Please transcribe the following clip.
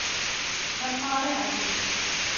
مَا الْقَارِعَةُ